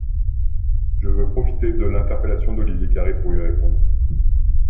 Je veux profiter de l’interpellation d’Olivier Carré pour y répondre.